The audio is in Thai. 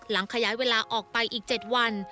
ขยายเวลาออกไปอีก๗วัน